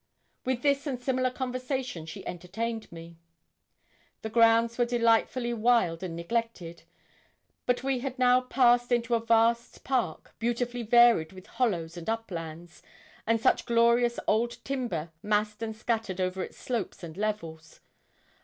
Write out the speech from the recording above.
With this and similar conversation she entertained me. The grounds were delightfully wild and neglected. But we had now passed into a vast park beautifully varied with hollows and uplands, and such glorious old timber massed and scattered over its slopes and levels.